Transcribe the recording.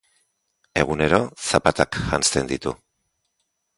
Egunero zapatak janzten ditu.